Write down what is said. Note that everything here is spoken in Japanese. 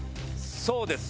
そうです。